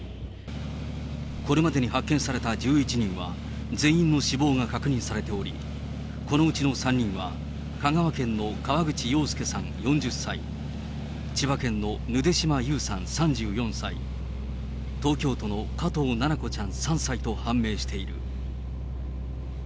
これまでに発見された１１人は、全員の死亡が確認されており、このうちの３人は、香川県の河口洋介さん４０歳、千葉県のぬで島優さん３４歳、東京都の加藤七菜子ちゃん３歳と判明している。